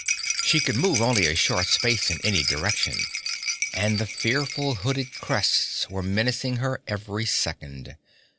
She could move only a short space in any direction, and the fearful hooded crests were menacing her every second.